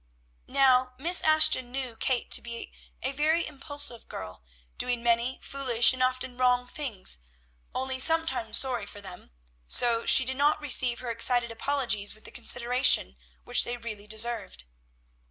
Now, Miss Ashton knew Kate to be a very impulsive girl, doing many foolish, and often wrong things, only sometimes sorry for them, so she did not receive her excited apologies with the consideration which they really deserved.